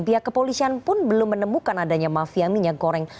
pihak kepolisian pun belum menemukan adanya mafia minyak goreng